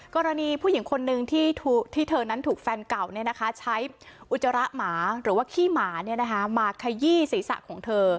กรณีผู้หญิงคนนึงที่เธอนั้นถูกแฟนเก่าใช้อุจจาระหมาหรือว่าขี้หมามาขยี้ศีรษะของเธอ